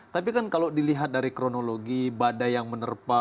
tapi kan kalau dilihat dari kronologi badai yang menerpa